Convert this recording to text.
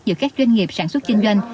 giữa các doanh nghiệp sản xuất kinh doanh